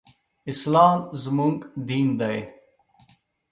اسلام زموږ دين دی.